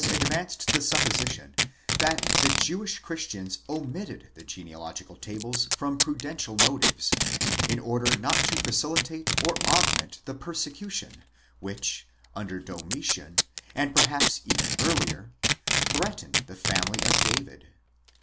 135 advanced the supposition, that the Jewish christians omitted the genealogical tables from prudential motives, in order not to facilitate or augment the per 'secution which, under Domitian, and perhaps even earlier, threatened the family of David.